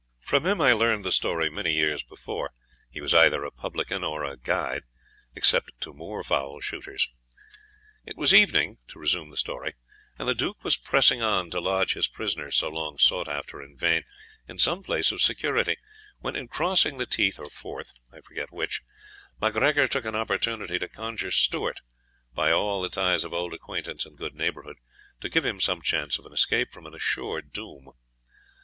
From him I learned the story many years before he was either a publican, or a guide, except to moorfowl shooters. It was evening (to resume the story), and the Duke was pressing on to lodge his prisoner, so long sought after in vain, in some place of security, when, in crossing the Teith or Forth, I forget which, MacGregor took an opportunity to conjure Stewart, by all the ties of old acquaintance and good neighbourhood, to give him some chance of an escape from an assured doom.